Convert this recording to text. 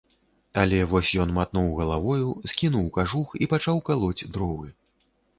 Але вось ён матнуў галавою, скінуў кажух і пачаў калоць дровы.